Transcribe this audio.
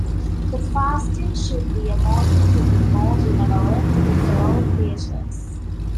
The fasting should be a motive to be more benevolent to the fellow-creatures.